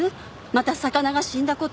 また魚が死んだ事。